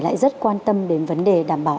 lại rất quan tâm đến vấn đề đảm bảo